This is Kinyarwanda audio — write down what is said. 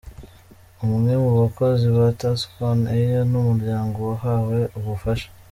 Umwe mu bakozi ba Task On Air n'umuryango wahawe ubufasha.